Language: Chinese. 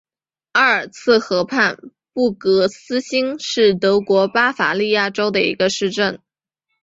阿尔茨河畔布格基兴是德国巴伐利亚州的一个市镇。